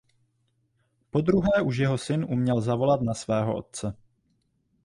Podruhé už jeho syn uměl zavolat na svého otce.